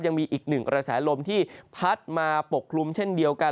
ยังมีอีกหนึ่งกระแสลมที่พัดมาปกคลุมเช่นเดียวกัน